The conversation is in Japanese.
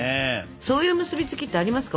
そういう結びつきってありますか？